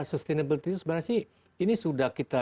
sustainability itu sebenarnya sih ini sudah kita